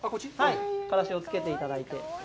からしをつけていただいて。